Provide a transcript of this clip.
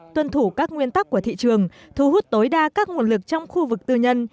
tuân thủ các nguyên tắc của thị trường thu hút tối đa các nguồn lực trong khu vực tư nhân